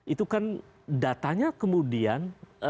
itu kan datanya kemudian